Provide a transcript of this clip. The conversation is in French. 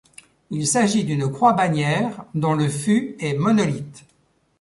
Il s'agit d'une croix bannière dont le fût est monolithe.